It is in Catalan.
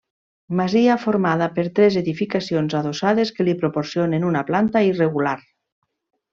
Masia formada per tres edificacions adossades que li proporcionen una planta irregular.